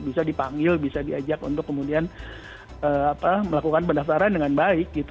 bisa dipanggil bisa diajak untuk kemudian melakukan pendaftaran dengan baik gitu